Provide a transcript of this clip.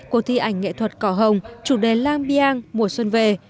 cuộc thi ảnh nghệ thuật cỏ hồng chủ đề lang biang mùa xuân về